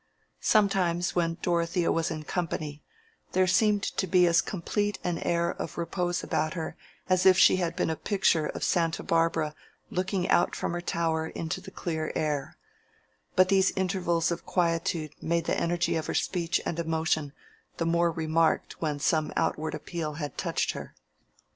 Sometimes when Dorothea was in company, there seemed to be as complete an air of repose about her as if she had been a picture of Santa Barbara looking out from her tower into the clear air; but these intervals of quietude made the energy of her speech and emotion the more remarked when some outward appeal had touched her.